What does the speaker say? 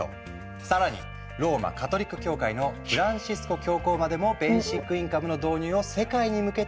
更にローマカトリック教会のフランシスコ教皇までもベーシックインカムの導入を世界に向けて提言した。